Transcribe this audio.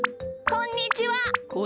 こんにちは。